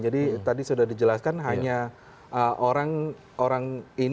jadi tadi sudah dijelaskan hanya orang orang